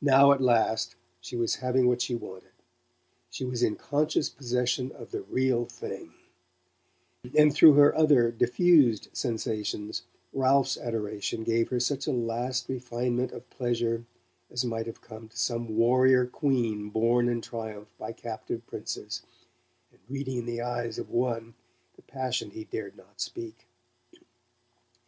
Now at last she was having what she wanted she was in conscious possession of the "real thing"; and through her other, diffused, sensations Ralph's adoration gave her such a last refinement of pleasure as might have come to some warrior Queen borne in triumph by captive princes, and reading in the eyes of one the passion he dared not speak.